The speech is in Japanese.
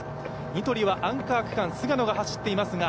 ニトリはアンカー区間、菅野が走っていますが